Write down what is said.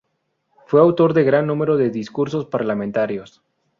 Fue autor de gran número de discursos parlamentarios.